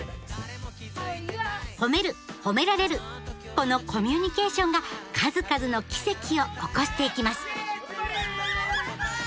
このコミュニケーションが数々の奇跡を起こしていきます！